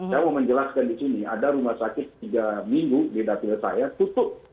saya mau menjelaskan di sini ada rumah sakit tiga minggu di dapil saya tutup